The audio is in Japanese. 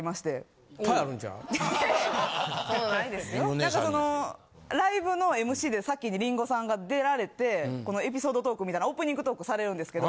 なんかそのライブのＭＣで先にリンゴさんが出られてエピソードトークみたいなオープニングトークされるんですけど。